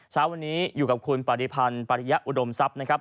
เช้าวันนี้อยู่กับคุณปฏิพันธ์ปริยะอุดมทรัพย์นะครับ